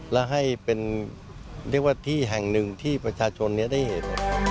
และให้เป็นเรียกว่าที่แห่งหนึ่งที่ประชาชนได้เห็น